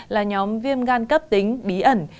là nhóm viêm gan cấp tính bí ẩn